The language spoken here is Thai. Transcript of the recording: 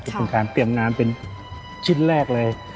เป็นการเตรียมน้ำเป็นชิ้นแรกเลย